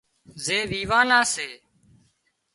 زي ويوان نا سي